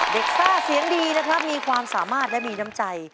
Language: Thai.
ซ่าเสียงดีนะครับมีความสามารถและมีน้ำใจ